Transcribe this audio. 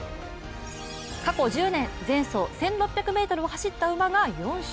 過去１０年、前走１６００ｍを走った馬が４勝。